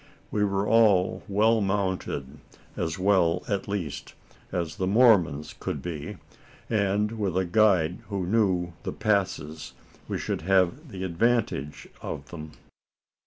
We were all well mounted as well, at least, as the Mormons could be and with a guide who knew the passes, we should have the advantage of them.